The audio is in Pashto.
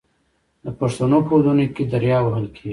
د پښتنو په ودونو کې دریا وهل کیږي.